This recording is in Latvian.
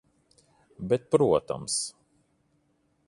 Bet protams.